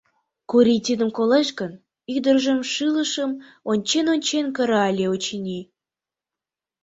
Курий тидым колеш гын, ӱдыржым шӱлышым ончен-ончен кыра ыле, очыни.